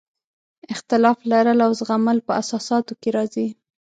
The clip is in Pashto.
اختلاف لرل او زغمل په اساساتو کې راځي.